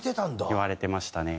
言われてましたね。